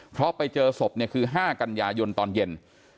เพราะไปเจอศพคือ๕กันยายนตอนเย็น